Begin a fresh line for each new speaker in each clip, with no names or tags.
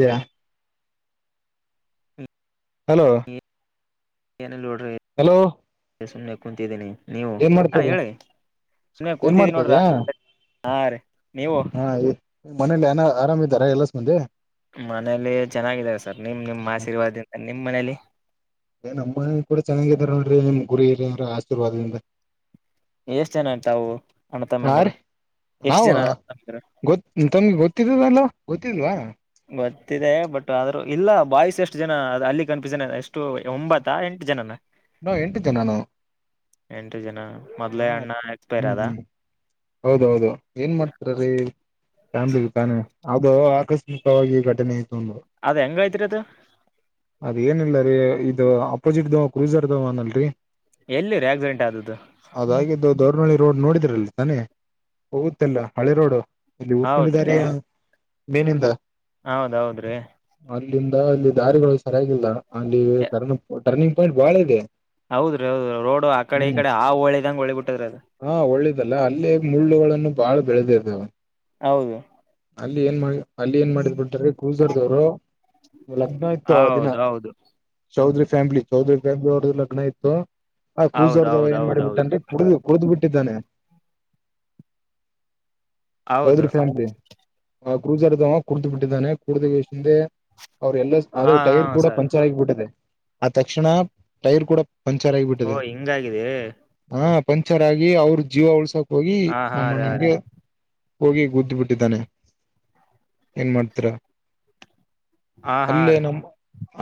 ದೆಯಾ hello
ನಲ್ೋಡು
hello
ಸುಮಮ್ಮನೆ ಕುೂಂತಿದ್ದೀನಿ ನೀವು
ಏನ್
ಹಾ
ಮಾಡ್ತದ
ಹೇಳಿ ಸುನನೆ
ಏನ್
ಕೂತಿದೀ ನೋಡ್ರ
ಮಾಡ್ತದ್ಯಾ
ಹಾ ರೀ ನೀವು
ಹಾ ಮನೇಲಿ ಏನ ಆರಾಮ್ ಇದಾರ ಎಲ್ಲ ಸ ಮಂದಿ
ಮನೇಲಿ ಚೆನ್ನಾಗಿದ್ದಾರೆ ಸರ್ ನಿಮ್ ನಿಮ್ಮ ಆಶೀರ್ವಾದದಿಂದ ನಿಮ್ಮ್ ಮನೇಲಿ
ಏ ನಮ್ಮ ಕೂ ಚನ್ನಾಗಿದಿದ್ದಾರೆ ನೋಡರಿ ನಿಮ್ ಗುರಿ ಇರಿ ಅವ್ರ ಆಶೀರ್ವಾದದಿಂದ
ಎಷ್ಟೇನಟಾವು
ಹಾ
ಅಣ್ಣತಮ್ಮಂದ್ರ
ರೀ ನಾವ ಗೊ ತಮ್ಗೆ ಗೊತ್ತಿದದ ಅಲ್ವಾ ಗೊತ್ತಿಲ್ವಾ
ದೆ ಬಟ್ ಆದ್ರೂ ಇಲ್ಲ ಬಾಯ್ಸ್ ಎಷ್ಟು ಜನ ಅದು ಅಲ್ಲಿ ಕನ್ಫಿೂಸನ್ ಇದೆ ಎಷ್ಟು ಒಂಬತ್ತ ಎಂಟು ಜನನ
ನಾವ್ ಎಂಟು ಜನ ನಾವು
ಎಂಟು ಜನ ಮೊದ್ಲೇ
ಹಾ
ಅಣ್ಣ ಎಕ್ಸ್ಪೈರ್
ಹ್ಮ್
ಆದ
ಹ್ಮ್ ಹೌದೌದು ಏನ್ ಮಾಡ್ತರೀ ಫ್ಯಾಮ್ಲಿ ತಾನೆ ಅದು ಆಕಸ್ಮಿಕವಾಗಿ ಘಟನೆ ಇತ್ತು ತ
ಅದ್ ಹೆಂಗೈತ್ರಿ ಅದು
ಅದ ಏನಿಲ್ಲ ರೀ ಇದು ಅಪೋಸಿಟ್ ದವ ಕ್ರೂಸರ್ದವ ಅಲ್ರರಿ
ಎಲ್ಲಿರ ಆಕ್ಸಿಡೆಂಟ್ ಆದದ್ದು
ಅದಾಗಿದ್ದು ದೌರ್ನಹಳ್ಳಿ ರೋಡ್ ನೋಡಿದ್ರಲ್ಲಿ ತಾನೆ ಹೋಗುತ್ತಲ್ಲ ಹಳೆ ರೋಡ್ ಇಲ್ಲಿ ಉಊರ್ಕೊಂಡಿದ್ದಾರೆ ಮೇನಿಂದ
ಹೌದೌದ್ರೀ
ಇಲ್ಲಿಂದ ಅಲ್ಲಿ ದಾರಿಗಳು ಸರಿಯಾಗಿಲ್ಲ ಅಲ್ಲಿ ಟರ್ಿ ಟರ್ನಿಂಗ್ ಪಾಯಿಂಟ್ ಬಹಳ ಇದೆ
ಹೌದ್ರೀ ಹೌದ್ರ ರೋಡ್ ಆ ಕಡೆ ಈ ಕಡೆ ಆ ಹಳಿದಂಗಗೆ ಹೊಳಿ ಬಿಟ್ಟದ್ರ ಅದ
ಲ್ಲ ಅಲ್ಲೇ ಮುಳ್ಳುಗಳನ್ನು ಬಾಳ ಬೆಳೆದಿರ್ದಾವ
ಹೌದು
ಅಲ್ಲಿ ಏನ್ ಮಾಡಿ ಅಲ್ಲಿ ಏನ್ ಮಾಡಿದ್ ಬಿಟ್ರೆ ಕೂಜರ್ದವ್ರು. ಲಕ್ನ ಇತ್ತುೋ ದಿನ
ಹೌದೌದು
ಚೌಧರಿ ಫ್ಯಾಮಿಲಿ ಚೌಧರಿ ಫ್ಯಾಮ್ಲಿ ಅವ್ರದ ಲಗ್ನ ಇತ್ತು ಆ ಕ್ರೂಸರ್ ಏನ್ ಮಾಡ.
ಹೌದೌದೌದೌದು
ಬಿಟ್ಟಂದ್ರೆ ಕುಡು ಕುಡಿದು ಬಿಟ್ಟಿದ್ದಾನೆ
ಹೌದು
್ ಕ್ರೂಸರ್ ಕುಡತ ಬಿಟ್ಟಿದ್ದಾನೆ ಕುಡಿದ ವಷಿಂದೆ ಅವ್ರ ಎಲ್ಲ
ಹಾ
ಆದ್ರ
ಹ
ಟೈರ್ ಕೂಡ
ಸರ್
ಪಂಚರ್ ಆಗಿಬಿಟ್ಟಿದೆ ಆದ ತಕ್ಷಣ ಟೈರ್ ಕೂಡ. ಪಂಚರ್
ಓ
ಆಗಿಬಿಟ್ಟಿದೆ
ಹಿಂಗಗಾಗಿದೆ.
ಹಾ ಪಂಚರ್ ಆಗಿ ಅವ್ರ ಜೀವ ಉಳ್ಸಕ್ ಹೋಗಿ
ಹ ಹಾ
ನಮ್ಮ
ರೀ ಹ ರೀ
ಅಣ್ಣನ್ಗೆ.. ಹೋಗಿ ಗುದ್ದಿ ಬಿಟ್ಟಿದ್ದಾನೆ ಏನ್ ಮಾಡ್ತೀರ.
ಹಾ ಹಾ ರೀ.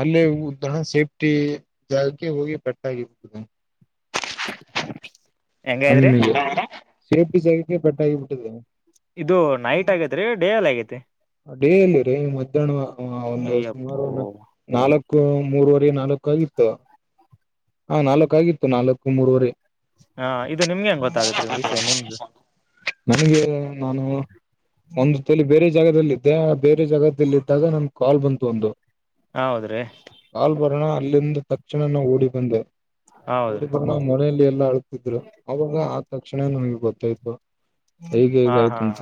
ಅಲ್ಲೇ ಉ ದಹ ಸೇಫ್ಟಿ ಜಾಗಕ್ಕೆ ಹೋಗಿ ಪಟ್ಟಾಗಿರುತ್ತದೆ. ಹ
ಹೆಂಗಾದ್ರಿ
ಸೇಫ್ಟಿ ಸ.
ಇದು ನೈಟ್ ಆಗೇತ್ರಿ ಡೇ ಅಲ್ಲಿ ಆಗೈತಿ.
ಡೇಲ್ಲಿ ರೀ ಮಧ್ಯಾಹ್ನ ಒಂದು ಸುಮಾರು
ಅಯ್ಯಪ್ಪೋ
ಒಂದು ನಾಲ್ಕು. ಮೂರ್ವರೆ ನಾಲ್ಕು ಆಗಿತ್ತು ಹ ನಾಲ್ಕು ಆಗಿತ್ತು ನಾಲ್ಕ್ಕು ಮೂರ್ವರೆ.
ಹಾ ಇದು ನಿಮ್ಗೆ ಹೆಂಗ್ ಗೊತ್ತಾಗತ್ರಿ ವಿಷಯ ನಿಮ್ಗೆ.
ನನಗೆ ನಾನು ಒಂದು ತಲಿ ಬೇರೆ. ಜಾಗದಲ್ಲಿ ಬೇರೆ ಜಾಗದಲ್ಲಿ ಇದ್ದಾಗ ನಮ್ಗೆ ಕಾಲ್ ಬಂತು ಒಂದು.
ಹ ಹೌದ್ರೀ.
ೋಣ ಅಲ್ಲಿಂದ ತಕ್ಷಣನ ಓಡಿ ಬಂದೆ.
ಹೌದ್ರಿ
ಹುಡುಬಣ ಮನೆಯಲ್ಲಿ ಎಲ್ಲಾ ಅಳ್ತಿದ್ರು ಅವಾಗ ಆ ತಕ್ಷಣನುಗ್ ಗೊತ್ತಾಯ್ತು. ಗ
ಹಾ
ಕಾಯ
ಹಾ
ತುಮಚ.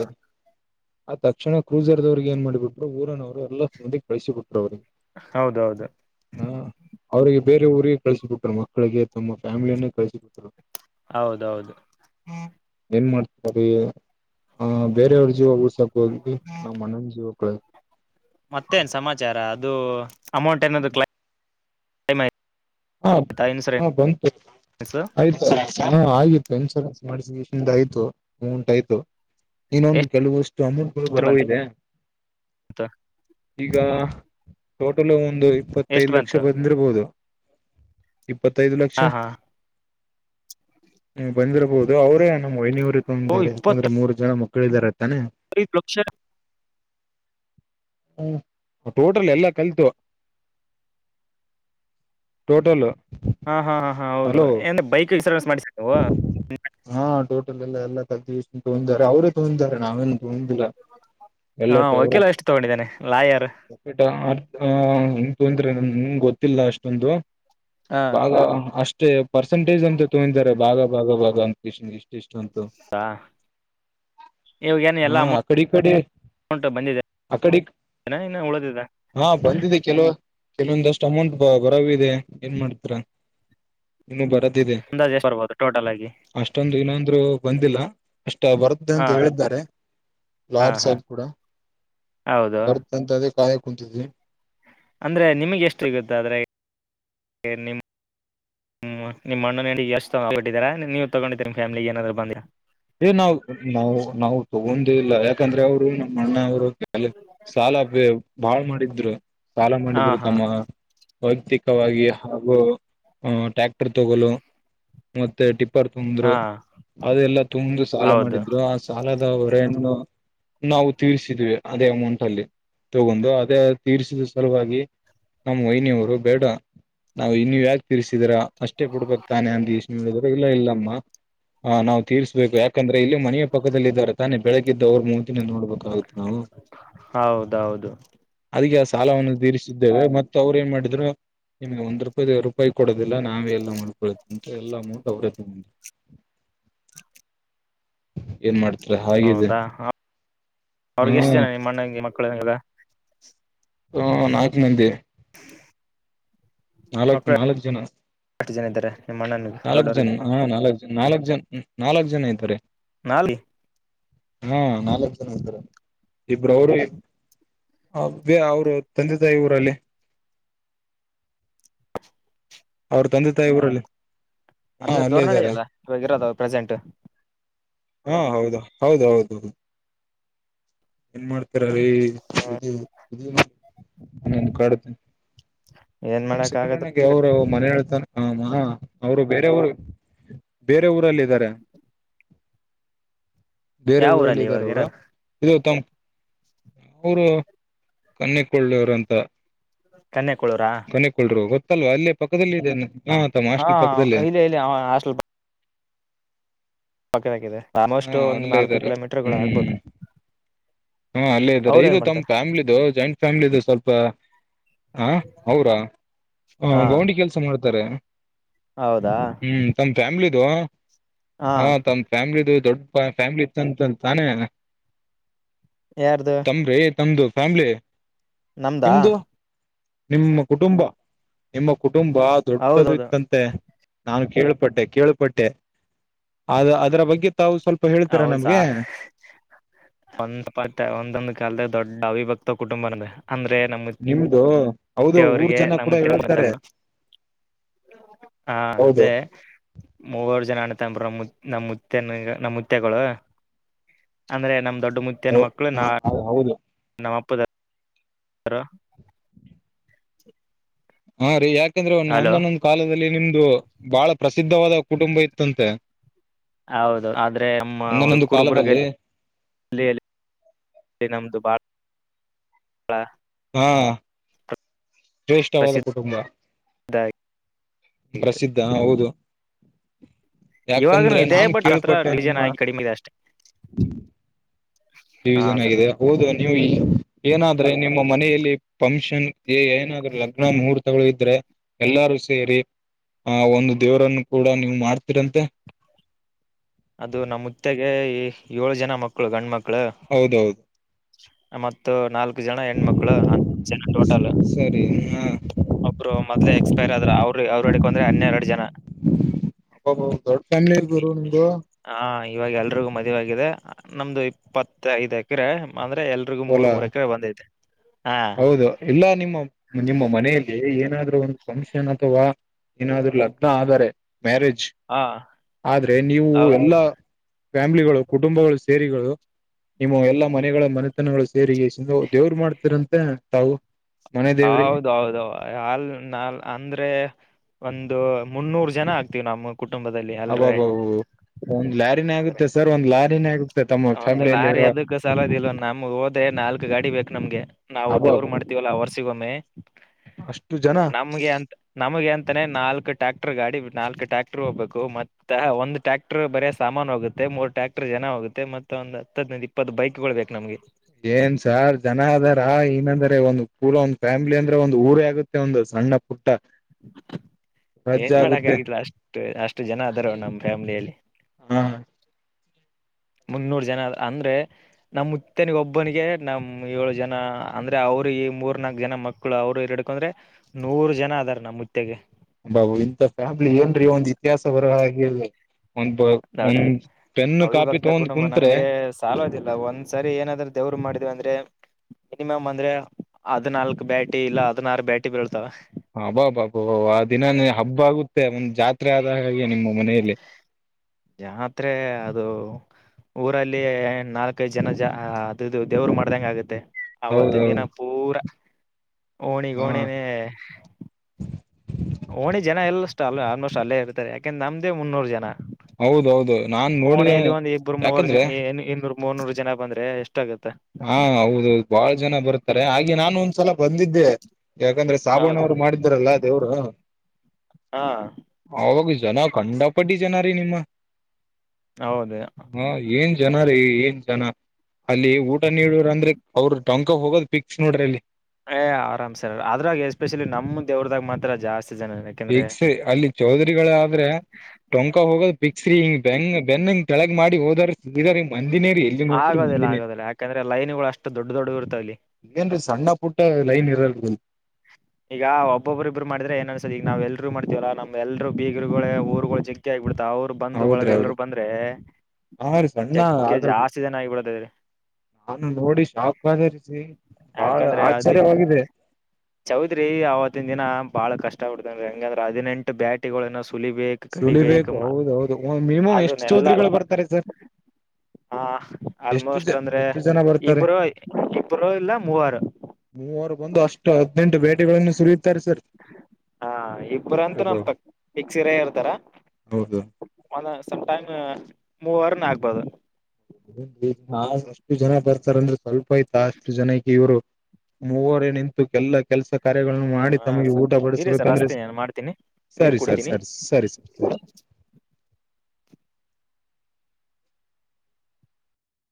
ಆ ತಕ್ಷಣ ಕ್ರೂಜರ್ದವ್ರಿಗೆ ಏನ್ ಮಾಡಿಬಿಟ್ರು ಊರನವ್ರು ಎಲ್ಲಾ ಮುಂದೆ ಕಳಸಿಸಿ ಬಿಟ್ರು ಅವ್ರಿಗೆ.
ಹೌದೌದು.
ಹ ಅವ್ರಿಗೆ ಬೇರೆ ಊರಿಗೆ ಕಳ್ಸಬಟರು ಮಕ್ಕಳಿಗೆ ತಮ್ಮ ಫ್ಯಾಮಿಲಿಯನ್ನೇ ಕಳ್ಸಿ ಕೊಟರು.
ಹೌದೌದು.
ಏನ್ ಮಾಡ್ತೀ ಆ್ ಬೇರೆಯವ್ರ ಜೀವ ಉಊರ್ಸಕ್ ಹೋಗ್ಿ ನಮ್ಮ್ ಅಣ್ಣನ ಜೀವ. ಕಳ.
ಮತ್ತೇನ್ ಸಮಾಚಾರ ಅದು ಅಮೌಂಟ್ ಏನದು ಕ್ಲೈ.
ಹಾ ಹ
ಇನ್ಸೂರೆನ್ಸ್
ಬಂತು ಆಯ್ತು ಹ ಆತು. ನ್ಸೂರೆನ್ಸ್ ಮಾಡ ಆಯ್ತುಂಟಟ್ ಆಯ್ತು ಇನ್ನೊಂದು ಕೆಲವಷ್ಟ. ಅಮೌಂಟ್
ಎಷ್ಟು
ಬರ ಇದೆ
ಬಂತು
ಈಗ ಟೋಟಲ್. ಒಂದು
ಎಷ್ಟು
ಇಪ್ಪತ್ತೈದು ಲಕ್ಷ
ಬಂತು
ಬಂದಿರ್ಬಹುದು. ಇಪ್ಪತ್ತೈದು ಲಕ್ಷ
ಹಾ ಹಾ
ಬಂದ್ರೆ. ಹೌದು ಅವ್ರೇ ನಮ್ಮ್ ವಹನಿಯವರು
ಓ
ತಗಂದಾರೆ ಯಾಕಂದ್ರೆ
ಇಪ್ಪತ್ತೈದು
ಮೂರು ಜನ ಮಕ್ಕಳ ಇದಾರೆತಾನೆ.
ಲಕ್ಷ.
ಹ ಟೋಟಲ್ ಎಲ್ಲಾ ಕಲ್ತು.
[inaudible]
ಟೋಟಲ್.
ಹಾಂ ಹಾಂ ಹಾ ಹಾ ಹೌದು
ಹಲೋ
ಏಂದ್ರ ಬೈಕ್ಿಗೆ ಸರ್ವೆಸ್ ಮಾಡಿಸಿ ನೀವು.
ಲ್ಲ ಎಲ್ಲ ತ ತಾರೆ ಅವರುೇ ತೋಂದಾರೆ ನಾವೇ. ಹಂದರ
ಹಾ
ಎಲ್ಲಟ ಅವರ.
ವಕೀಲ ಎಷ್ಟು ತಗೊಂಡಿದ್ದಾನೆ ಲಾಯರ್
[unintelligible] ಗೆ ಗೊತ್ತಿಲ್ಲ ಅಷ್ಟೊಂದು
ಹಾ
ಬ ಅಷ್ಟೇ ಪರ್ಸಂಟೇಜ್ ಅಂತ ತೊಗಿದ್ದಾರೆ. ಬಾಗ ಬಾಗ ಬಾಗ ಅಂತ ಕಷನ್ ಇಷ್ಟ ಇಷ್ಟ ಅಂತು.
ಇವಾಗ ಏನ್
ಹಾ
ಎಲ್ಲಾ
ಅಕಡಿ ಕಡೆ.
ಅಮೌಂಟ್ ಬಂದಿದೆ
ಅ ಕಡೆ
ಇನ್ನು ಉಳಿದಿದೆ
ಹಾ ಬಂದಿದೆ ಕೆಲವ. ಕೆಲವೊಂದಷ್ಟು ಅಮೌಂಟ್ ಬ ಬರ ಇದೆ ಏನ್ ಮಾಡ್ತ ಇನ್ನುೂ ಬರದಿದೆ.
ಅಂದಾಜು ಎಷ್ಟು ಬರ್ಬೋದು ಟೋಟಲ್ ಆಗಿ
ಅಷ್ಟೊಂದು ಇನ್ನೊಂದ್ರು ಬಂದಿಲ್ಲ. ಅಷ್ಟ ಬರುತ್ತೆ
ಹಾ
ಅಂತ ಹೇಳಿದ್ದಾರೆ
ಹಾ
ಲಾಯರ್
ಹಾ
ಸಾಹಬ್ ಕೂಡ.
ಹೌದು
ಬರ್ತಂತದೇ ಕಾಯೆ ಕುಂತಿದ್ವಿ.
ಅಂದ್ರೆ ನಿಮಗೆ ಎಷ್ಟು ಇಗತ್ತ ಆದ್ರೆ ನಿ. ಹ್ಮ್ ನಿಮ್ ಮಣ್ಣುಿಗೆ ಎಷ್ಟು ತಬಟ್ಟಿದರ ನೀವು ತಗೊಂಡಿದೀರಿಿ ಫ್ಯಾಮಿಿಗೆ ಏನಾದರು ಬಂದ್ಯಾಾ.
ಏ ನಾವು ನಾವು ಮಣ್ಣ ಅವರು ಸಾಲ ಬಾಳ್ ಮಾಡಿದ್ರು. ಸಾಲ
ಹಾ
ಮಾಡಿದ್ರು
ಹಾ
ತಮ್ಮ ವೈಯಕ್ತಿಕವಾಗಿ ಹಾಗೂ ಟ್ಯಾಕ್. ತಗ ಮತ್ತೆ ಟಿಪ್ಪರ್ ತಂದ್ರು
ಹಾ
ಅದೆಲ್ಲ ಮುಂದು ಸಾಲ
ಹೌದು
ಮಾಡಿದ್ರು ಆ ಸಾಲದ ಹೊರೇನು ನಾವು ತೀರ್ರಿಸಿದ್ವಿ ಅದೇ ಅಮೌಂಟ್ ಅಲ್ಲಿ ತಗೊಂಡು ಅದೇ ತೀರ್ರಿಸಿದ ಸಲುವಾಗಿ ನಮ್ಮಯನವರು ಬೇಡ ನಾವು ಇ ನೀವ್ ಯಾಕೆ ತಿರ್ರಿಸಿದ್ರ ಅಷ್ಟೇ ಬಿಡ್ಬೇಕಕ್ ತಾನೆ ಅಂದಷ್ಟಿದ್ರ ಇಲ್ಲ ಇಲ್ಲಮ್ಮ ಹಾ ನಾವ್ ತರ್ಸ್್ಬೇಕು ಯಾಕಂದ್ರೆ ಇಲ್ಲಿ ಮನೆಯ ಪಕ್ಕದದಲ್ಲಿ ಇದ್ದಾರೆ ತಾನೆ ಬೆಳಗ್ಿದ್ದ ಅವ್ರು ಮೂವತಿನ ನೋಡ್ಬು ಆ
ಹೌದೌದು
ಅದಕ್ಕೆಸ ಸಾಲವನ್ನು ತೀರಿಸಿದ್ದೇವೆ ಮ ಅವ್್ರ ಏನ್ ಮಾಡಿದ್ರು ನಿಮ್ಗೆ ಒಂದ್ೂಾಯಿ ರೂಪಾಯಿ ಕೊಡೋದಿಲ್ಲ ನಾವ ಎಲ್ಲ ಎಲ್ಲ ಅಮೌಂಟ್ ಅವ್ರೇ ತಗೊಂಡು ಮಾಡ್ತೀರ ಹಾಗಿದೆ
ಹೌದಾ ಅವ್ರಿಗೆ ಎಷ್ಟು
ಹ್ಮ್
ಜನ ನಿಮ್ಮ ಅಣ್ಣ ಮಕ್ಕಳಾಗ
ಹ ನಾಕು ಮಂದಿ ನಾಲ್ಕ್
ಮಕ್ಕಳು
ನಾಲ್ಕ್ು ಜನ
ಎಷ್ಟು ಜನ ಇದ್ದಾರೆ ನಿಮ್ಮ ಅಣ್ಣನಿಗೆ
ನಾಲ್ಕ್ು
ದೊಡ್ಡವರು
ಜನ ಹಾ ನಾಲ್ಕ್ ಜನ್ ನಾಲ್ಕ್ ಜನ್ ನಾಲ್ಕ್ು ಜನ ಇದತಾರೆ
ನಾಳೆ
ಹಾ ನಾಲ್ಕ್ ಜನ ಇದತಾರೆ ಇಬ್ರ ಅವರು ಅ ಬೇ ಅವರು ತಂದೆ ತಾಯಿ ಊರಲ್ಲಿ ಅವ್ರ ತಂದೆ ತಾಯಿವರಲ್ಲಿ
ಅಂದ್ರೆ ದೋರ್ನಡಿ ಅಲ್ಲ ಇವಾಗ ಇರೋದ ಪ್ರೆಸೆಂಟ್
ಹಾ ಹೌದ ಹೌದ ಹೌದು ಏನ್ ಮಾಡ್ತಾರ ರೀನ್ನೊಂದು ಕಾಡುತ್ತ
ಏನ್
ನಮ್
ಮಾಡಕ್ ಆಗದು
ಸಕ್ಕನಗೆ ಅವರು ಮನೆ ಹೇಳ್ತಾನ ಹ ಅವರು ಬೇರೆಊರು ಬೇರೆ ಊರಲ್ಲ ಇದಾರೆ ಬೇರೆ
ಯಾವ
ಊರಲ್ಲ
ಊರಲ್ಲಿ
ಇದಾರೆ
ಇವಾಗ
ಅವರು
ಇರೋದು
ತ ಅವರು ಕನ್ನಿಕೊಳ್ಳಿವ್ರಂತ
ಕನ್ಯಕಳೂರ
ಗತ್ತಲ್ವಾ ಅಲ್ಲೇ ಪಕ್ಕದದಲ್ಲಿ ಇದೇನೆ ನತ್ತ
ಹಾ
ಮಷ್ಟಲ್ ಪಕ್ಕದಲ್ಲೇ
ಇಲ್ಲಿ ಇಲ್ಲಿ ಕೆಿದೆ ಆಲ್ಮೋಸ್ಟ್
ಹಾ
ಒಂದು
ಅಲ್ಲೇ
ನಾಲ್ಕು
ಇದ್ದಾರೆ
ಕಿಲೋಮೀಟರ್ಗಳು ಆಗ್ಬೋದು
ಹ್ಮ್ ಹಾ ಅಲ್ಲೇ ಇದ್ದಾರೆ
ಅವ್ರ
ಇದು
ಏನ್
ತಮ್ಮ್
ಮಾಡ್ತಾರೆ
ಫ್ಯಾಮ್ಲಿಿದು ಜಾಯಿಂಟ್ ಫ್ಯಾಮಿಲಿ ಇದು ಸ್ವಲ್ಪ ಹ ಹೌರಾ ಹ
ಹಾ
ಗೌಂಡಿ ಕೆಲ್ಸ ಮಾಡ್ತಾರೆ
ಹೌದಾ
ಹ್ಮ್ ತಮ್ಮ ಫ್ಯಾಮಿಲಿಿದು ಹಾ ತಮ್ಮ ಫ್ಯಾಮಿಲಿದ ದೊಡ್ಡ ಫ್ಯಾಮಿಲಿ ಇತ್ತಂತ ತಾನೇ
ಯಾರ್ದು
ತಮ್ರೀ ತಮ್ದು ಫ್ಯಾಮ್ಲಿ
ನಮ್ದಾ
ನಿಮ್ದು ನಿಮ್ಮ ಕುಟುಂಬ ನಿಮ್ಮ ಕುಟುಂಬ ದೊಡ್ಡದು
ಹೌದೌದು
ಇತ್ತಂತೆ ನಾನು ಕೇಳಳ್ಪಟ್ಟೆ ಕೇಳಪಟ್ಟೆ ಅದು ಅದರ ಬಗ್ಗೆ ತಾವು ಸ್ವಲ್ಪ ಹೇಳ್ತೀರ
ಹೌದ್ ಸಾ
ನಮ್ಗೆ
ಮತ್ತೆ ಒಂದೊಂದಂದು ಕಾಲದ ದೊಡ್ ಅವಿಭಕ್ತ ಕುಟುಂಬ ಅದ ಅಂದ್ರೆ ನಮ್ಮ
ನಿಮ್ದು ಹೌದು ಊರ್
ತೆವ್ರಿಗೆ
ಜನ
ನಮ್ಮ
ಕೂಡ ಹೇಳ್ತಾರೆ
ತಿಮ್ಮತ್ತಂಬ ಹಾ
ಹೌದು
ಅದೇ ಮೂವರು ಜನ ಅ ನುತ್ತ ನಮ್ಮುತ್ತೆಗಳು ಅಂದ್ರೆ ನಮ ದೊಡ್ಡ ಮುತ್ಯಾನ ಮಕ್ಕಳ ನಾ
ಹೌದು
ನಮ್ಮಪ್ಪದ ಹರ
ಹಾ ರೀ ಯಾಕಂದ್ರೆ ಒ ಒಂದೊಂದೊಂದ್ ಕಾಲದಲ್ಲಿ ನಿಮ್ದು ಬಹಳ ಪ್ರಸಿದ್ಧವಾದ ಕುಟುಂಬ ಇತ್ತಂತೆ
ಹೌದು ಆದ್ರೆ ನಮ್ಮ
ಒಂದೊಂದೊಂದು ಕಾಲದಲ್ಲಿ
ಕುರುಬುರ್ಗಲ್ಲಿ ಅಲ್ಲಿ ಅ ನಮ್ದು ಬಾಳ ಹ
ಹಾ ಜ್ಯೇಷ್ಠವಾದ
ಪ್ರಸಿದ್ಧ
ಕುಟುಂಬ ಪ್ರಸಿದ್ಧ ಹೌದು
ಇವಾಗನು
ಯಾಕಂದ್ರೆ
ಇದೆ
ನಾನ್
ಬಟ್ ಹತ್ರ
ಕೇಳ್ಪಟ್ಟೆ
ಡಿವಿಷನ್
ನಿಮ್ಮ
ಆಗಿ ಕಡಿಮೆ ಇದೆ ಅಷ್ಟೇ ಹಾ
ಡಿವಿಷನ್
ಸರ್
ಆಗಿದೆ ಹೌದು ನೀವು ಏನಾದ್ರೆ ನಿಮ್ಮ ಮನೆಯಲ್ಲಿ ಫಂಕ್ಷನ್ ಏ ಏನಾದ್ರೂ ಲಗ್ನ ಮುಹೂರ್ತಗಳು ಇದ್ರೆ ಎಲ್ಲಾರು ಸೇರಿ ಆ ಒಂದು ದೇವರನ್ನು ಕೂಡ ನೀವು ಮಾಡ್ತಿರಂತೆ
ಅದು ನಮ್ಮ ಹುತ್ತೆಗೆ ಏಳು ಜನ ಮಕ್ಕಳು ಗಂಡ ಮಕ್ಕಳು
ಹೌದೌದು
ಮತ್ತು ನಾಲ್ಕು ಜನ ಹೆಣ್ಮಕ್ಳು ಹನ್ನ ಜನ ಟೋಟಲ್
ಸರಿ
ಒಬ್ರು ಮೊದ್ಲೇ ಎಕ್ಸ್ಪೈರ್ ಆದ್ರ ಅವ್ರ ಅವ್ರ ಇಡಕೊಂಡ್ರೆ ಹನ್ನೆರಡು ಜನ
ಒ ಹೋ ದೊಡ್ಡ ಫ್ಯಾಮಿಲಿ ಗುರು ನಿಮ್ದು
ಹಾ ಇವಾಗ ಎಲ್ರಿಗೂ ಮದುವೆಯಾಗಿದೆ ನಮ್ದು ಇಪ್ಪತ್ತ ಐದು ಎಕರೆ ಅ ಮತ್ತೆ ಎಲ್ರಿಗೂ ಮೂರ್
ಹೊಲಾ
ಮೂರು ಎಕರೆ ಬಂದೈತೆ ಹಾ
ಹೌದು ಇಲ್ಲಾ ನಿಮ್ಮ ನಿಮ್ಮ ಮನೆಯಲ್ಲಿ ಏನಾದ್ರು ಒಂದು ಫಂಕ್ಷನ್ ಅಥವಾ ಏನಾದ್ರು ಲಗ್ನ ಆದಾರೆ ಮ್ಯಾರೇಜ್
ಹಾ
ಆದ್ರೆ ನೀವು
ಹೌದು
ಎಲ್ಲಾ ಫ್ಯಾಮಿಲಿಗಳು ಕುಟುಂಬಗಳು ಸೇರಿಗಳು ನಿಮ್ಮ ಎಲ್ಲಾ ಮನೆಗಳ ಮನೆತನಗಳು ಸೇರಿ ದೇವರು ಮಾಡ್ತರಂತೆ ತಾವು ಮನೆ ದೇವ್ರಿಗೆ
ಹೌದ ಹೌದು ಅಲ್ ನಲ್ ಅಂದ್ರೆ ಒಂದು ಮುನ್ನೂರು ಜನ ಆಗ್ತವಿ ನಮ್ಮ ಕುಟುಂಬದಲ್ಲಿ ಅಲ್ರೇ
ಅಬ್ಬಬ್ಬಬ್ಬ ಒಂದ್ ಲಾರಿನೇ
ಆದ್ರೆ
ಆಗುತ್ತೆ ಸರ್ ಒಂದ್ ಲಾರಿನೇ ಆಗುತ್ತೆ ತಮ್ಮ
ಒಂದು
ಫ್ಯಾಮಿಲಿಯಲ್ಲಿ
ಲಾರಿ
ಇರುವ
ಅದಕ್ಕ ಸಾಲದ ಇಲ್ವ ನಮ್ಗೆ ಹೋದ ನಾಲ್ಕ್ ಗಾಡಿ ಬೇಕು ನಮ್ಗೆ ನಾವು
ಅಬ್ಬಬ್ಬ
ದೇವ್ ಮಾಡ್ತತಿವಲ್ಲಾರ್ [unintelligible] ಸಿಗೊಮ್ಮೆ
ಅಷ್ಟು ಜನ
ನಮಗೆ ಅಂತ ನಮಗೆ ಅಂತಾನೆ ನಾಲ್ಕು ಟ್ರ್ಯಾಕ್ಟರ್ ಗಾಡಿ ನಾಕು ಟ್ರ್ಯಾಕ್ಟರ್ ಹೋಗ್ಬೇಕು ಮತ್ತೆ ಒಂದು ಟ್ರ್ಯಾಕ್ಟರ್ ಬರೇ ಸಾಮಾನ್ ಹೋಗುತ್ತೆ ಮೂರು ಟ್ರ್ಯಾಕ್ಟರ್ ಜನ ಹೋಗುತ್ತೆ ಮತ್ತೆ ಒಂದು ಹತ್ತಂದ ಇಪ್ಪತ್ತು ಬೈಕ್ ಗಳು ಬೇಕು ನಮ್ಗೆ
ಏನ್ ಸಾರ್ ಜನ ಅದಾರ ಏನಂದ್ರ ಒಂದ್ ಕೂಲ ಒಂದ್ ಫ್ಯಾಮಿಲಿ ಅಂದ್ರೆ ಒಂದ ಊರ ಆಗುತ್ತ ಮತ್ತೆ ಒಂದು ಸಣ್ಣ ಪು
[inaudible] ಏನ್
ಆಗುತ್ತೆ
ಮಾಡಕ್ಗತ್ಲ ಅಷ್ಟು ಅಷ್ಟು ಜನ ಅದಾರ ನಮ್ ಫ್ಯಾಮಿಲಿಯಲ್ಲಿ
ಹ
ಮುನ್ನೂರು ಜನ ಅಂದ್ರೆ ನಮ್ಮುತ್ತನಿಗೆ ಒಬ್ಬನಿಗೆ ನಮ್ ಏಳು ಜನ ಅಂದ್ರೆ ಅವ ಅವರು ಈ ಮೂರ್ ನಾಕ್ ಜನ ಮಕ್ಕಳು ಅವ್ರು ಎರ್ಡ್ಕಂದ್ರೆ ನೂರು ಜನ ಅದಾರ ನಮ್ಮ ಮುತ್ತೆಗೆ
ಹಬ ಇಂತ ಫ್ಯಾಮಿಲಿ ಏನ್ರೀ ಒಂದ್ ಇತಿಹಾಸ ಬರ ಹಾಗೆ ರಿ [unintelligible]
ದೊಡ್ಡ
ಹ್ಮ್
ಅವಿಭಕ್ತ ಕುಟುಂಬ ನಮ್ಗೆ ಸಾಲದಿಲ್ಲ ಒಂದ್ಸರಿ ಏನಾದ್ರೂ ದೇವ್ರು ಮಾಡಿದೇವಿ ಅಂದ್ರೆ ಮಿನಿಮಮ್ ಅಂದ್ರೆ ಹದಿನಾಲ್ಕು ಬ್ಯಾಟಿ ಇಲ್ಲ ಹದಿನಾರು ಬ್ಯಾಟಿ ಬೀಳ್ತಾವ
ಹಬ್ಬಾಬಬಬಬ ದಿನಾನೆ ಹಬ್ಬ ಆಗುತ್ತೆ ಒಂದ್ ಜಾತ್ರೆ ಆದ ಹಾಗೆ ನಿಮ್ಮ ಮನೆಯಲ್ಲಿ
ಜಾತ್ರೆ ಅದು ಊರಲ್ಲಿ ನಾಲ್ಕೈದು ಜನ ಜ ಅದುದು ದೇವ್ರ ಮಾಡ್ದಂಗ ಆಗುತ್ತೆ
ಹೌದೌದು
ಆವತ್ತಿನ ದಿನ ಪೂರಾ
ಹಾ
ಓಣಿಗೋಣಿನೆೇ ಓಣಿ ಜನ ಎಲ್ಲ ಅಷ್ಟ ಅಲ್ಲ ಆಲ್ಮೋಸ್ಟ್ ಅಲ್ಲೇ ಇರ್ತಾರೆ ಯಾಕೆಂದ್ರೆ ನಮ್ದೇ ಮುನ್ನೂರು ಜನ
ಹೌದೌದು ನಾನ್ ನೋಡಿದೆ
ಓಣೆಯಲ್ಲಿ ಒಂದ್ ಇಬ್ಬರು ಮೂರು
ಯಾಕಂದ್ರೆ
ಜನ ಇನ್ನೂರು ಮೂರ್ನೂರು ಜನ ಬಂದ್ರೆ ಎಷ್ಟಾಗತ್ತೆ
ಹಾ ಹೌದೌದು ಬಾಳ ಜನ ಬರ್ತಾರೆ ಹಾಗೆ ನಾನು ಒಂದ್ಸಲ ಬಂದಿದ್ದೆ ಯಾಕಂದ್ರೆ
ಹೌದ
ಸಾಬಣ್ಣವರು ಮಾಡಿದ್ದಾರಲ್ಲ ದೇವರು
ಹಾ
ಆವಾಗು ಜನ ಕಂಡ ಪಂಡಿ ಜನ ರೀ ನಿಮ್ಮ
ಹೌದ....
ಹ ಏನ್ ಜನ ರೀ ಏನ್ ಜನ ಅಲ್ಲಿ ಊಟ ನೀಡೋ ಅಂದ್ರೆ ಅವ್ರ ಟಂಕ ಹೋಗೋದ್ ಫಿಕ್ಸ್ ನೋಡ್ರಿ ಅಲ್ಲಿ
ಏ ಆರಾಮ್ ಸರ್ ಅದ್ರಾಗ ಎಸ್ಪೆಷಲಿ ನಮ್ದ ದೇವರದಾಗ ಮಾತ್ರ ಜಾಸ್ತಿ ಜನ ಯಾಕೆಂದ್ರೆ
ಪಿಕ್ಸ್ರಿ ಅಲ್ಲಿ ಚೌದರಿಗಳಾದ್ರೆ ಟೊಂಕ ಹೋಗೋದು ಪಿಕ್ಸ್ರಿ ಹಿಂಗ ಬೆಂಗ ಬೆನ್ನಂಗ ಕೆಳಗ್ ಮಾಡಿ ಹೋದಾರ ಎದರಿಮ ಮಂದಿನೇರಿ ಎಲ್ಲಿ ನೋಡ್ತ
ಆಗೋದಿಲ್ಲ
ಮಂದಿನೆ
ಆಗೋದಿಲ್ಲ ಯಾಕಂದ್ರೆ ಲೈನ್ಗಳು ಅಷ್ಟು ದೊಡ್ಡ ದೊಡ್ಡ ಇರ್ತಾವಲ್ಲಿ
ಏನ್ರೀ ಸಣ್ಣಪ್ಪ ಊಟ ಲೈನ್ ಇರ
ಈಗ ಒಬ್ಬೊಬ್ರರಿಬ್ರು ಮಾಡಿದ್ರೆ ಏನ್ ಅನ್ಸದ ಈಗ ನಾವ ಎಲ್ರು ಮಾಡ್ತವಲ್ಲ ನಮ್ ಎಲ್ರು ಬೀಗ ಇವರುಗಳ ಊರುಗಳು ಜಗ್ಗಿ ಆಗಿಬಿಡ್ತಾವ ಅವ್ರು ಬಂದು
ಹೌದ್ರಿ
ಬಳಗ ಎಲ್ಲರೂ
ಹೌದ್ರಿ
ಬಂದ್ರೆ
ಹಾ ರೀ ಸಣ್ಣ
ಜಗ್ಗೆ
ಆಗಲ್ರಿ
ಜಾಸ್ತಿ ಜನ ಆಗ್ಬಿಡ್ತಾ ಇದ್ದಾರೆ
ನಾನು ನೋಡಿ ಶಾಕ್ ಆದನಿ ರಚನಿ ಬಾಳ ಆಶ್ಚರ್ಯವಾಗಿದೆ
ಚೌದ್ರಿ ಆವತ್ತಿನ ದಿನ ಬಾಳ ಕಷ್ಟ ಬಿಡ್ತನ್ ಹೆಂಗಂದ್ರೆ ಹದಿನೆಂಟು ಬ್ಯಾಟಿ ತುಲಿಬೇಕು ಕಡಿಬೇಕ
ಸುಲಿಬೇಕು
ಅಮ್ಮ
ಹೌದ ಹೌದು ಮಿನಿಮಮ್ ಎಷ್ಟು
ಅದನ್ನೆಲ್ಲಾ
ಚೌಧರಿಗಳು ಬರ್ತಾರೆ ಸರ್
ಹಾ
ಎಷ್ಟು ಜ
ಆಲ್ಮೋಸ್ಟ್ ಅಂದ್ರೆ
ಎಷ್ಟು ಜನ ಬರ್ತಾರೆ
ಇಬರು ಇಬರು ಇಲ್ಲ ಮೂವರು
ಮೂವರು ಬಂದು ಅಷ್ಟು ಹದಿನೆಂಟು ಬಟ ಇಲ್ಲಿ ಒಂದು ನಿಮಿಷ ತರಿಸಿದ್ರು
ಹಾ ಇಬ್ಬ್ರಂತ
ತರ್ಬು
ನಮ್ ಪಕ್ ಫಿಕ್ಸಿರೇ
ಹೌದು
ಅಲ್ಲ ಸಮ್ಟೈಮ್ ಮೂವರ್ನ್ ಆಗ್ಬೋದು
ಒಂದು ಇಬ್ರು ಅಷ್ಟು ಜನ ಬರ್ತಾರಂದ್ರೆ ಸ್ವಲ್ಪ ಆಯ್ತ ಅಷ್ಟು ಜನಕ್ಕೆ ಇವ್ರು ಮೂವರು ನಿಂತು ಎಲ್ಲ ಕೆಲ್ಸ ಕಾರ್ಯಗಳನ್ನು ಮಾಡಿ
ಹಾ
ತಮಗೆ
ಸರ್
ಊಟ
ಇರಿ ಸರ್
ಬಡಿಸ್ಬೇಕಂದ್ರೆ
ಹಚ್ತೀನಿ ನಾನ್ ಮಾಡ್ತೀನಿ ನೀರ್
ಸರಿ ಸರ್
ಕುಡಿತೀನಿ.
ಸರಿ ಸರಿ ಸ ಸರಿ